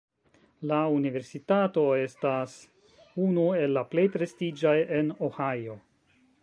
La universitato estas unu el la plej prestiĝaj en Ohio.